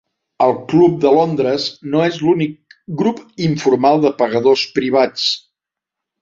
El club de Londres no és l'únic grup informal de pagadors privats.